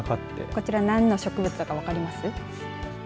こちら、何の植物か分かります。